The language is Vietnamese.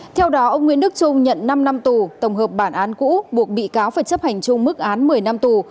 theo đó ông nguyễn đức trung nhận năm năm tù tổng hợp bản án cũ buộc bị cáo phải chấp hành chung mức án một mươi năm tù